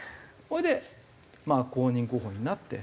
それで公認候補になって。